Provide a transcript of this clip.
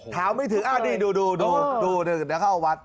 เท้าไม่ถึงดูเดี๋ยวเขาเอาวัด